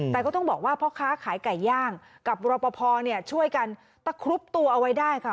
แต่ก็ต้องบอกว่าพ่อค้าขายไก่ย่างกับรปภช่วยกันตะครุบตัวเอาไว้ได้ค่ะ